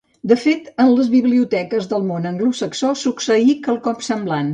De fet, en les biblioteques del món anglosaxó succeí quelcom semblant.